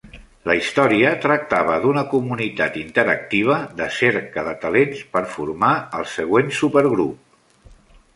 La història tractava d'una comunitat interactiva de cerca de talents per formar el següent Supergrup.